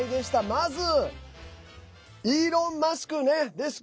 まず、イーロン・マスクね。